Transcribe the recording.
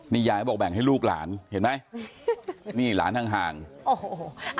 นี่ยายบอกแบ่งให้ลูกหลานเห็นไหมนี่หลานทางห่าง